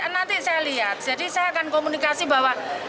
nanti saya lihat jadi saya akan komunikasi bahwa